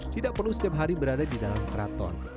tidak perlu setiap hari berada di dalam keraton